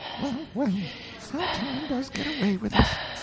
"Well, well, how time does get away with us.